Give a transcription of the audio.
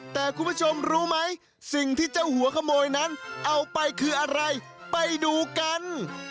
แต่คุณผู้ชมรู้ไหมสิ่งที่เจ้าหัวขโมยนั้นเอาไปคืออะไรไปดูกัน